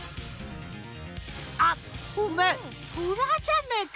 あっおめえトラじゃねえか！